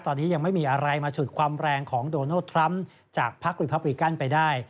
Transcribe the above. ตอนนี้ยังไม่มีอะไรมาฉุดความแรงของโดนัลดทรัมป์จากพักรีพับริกันไปได้